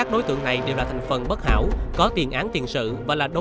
được gọi là licensed